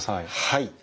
はい。